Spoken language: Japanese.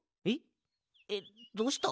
えっどうした？